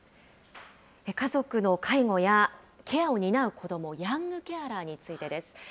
家族の介護やケアを担う子ども、ヤングケアラーについてです。